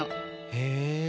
へえ。